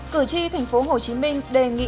cử tri thành phố hồ chí minh đề nghị